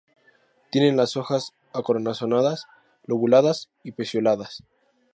Tiene las hojas acorazonadas, lobuladas y pecioladas.